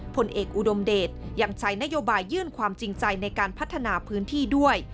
ผลเอกอุดมเดชยังใช้นโยบายยื่นความจริงใจในการพัฒนาพื้นที่ด้วย